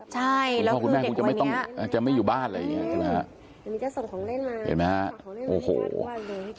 ใช่แล้วคุณพ่อคุณแม่คงจะไม่ต้องจะไม่อยู่บ้านอะไรอย่างนี้เห็นไหมฮะ